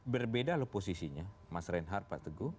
berbeda loh posisinya mas reinhardt pak teguh